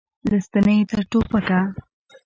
له ستنې تر ټوپکه.